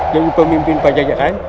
jadi pemimpin pajajaran